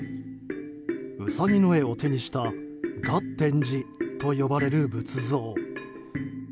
ウサギの絵を手にした月天子と呼ばれる仏像。